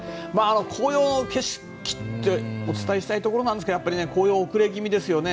紅葉の景色ってお伝えしたいところですがやっぱり遅れ気味ですね。